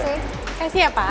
terima kasih ya pak